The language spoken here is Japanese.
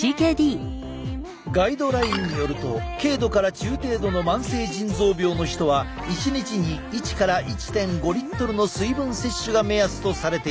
ガイドラインによると軽度から中程度の慢性腎臓病の人は一日に１１．５Ｌの水分摂取が目安とされているぞ。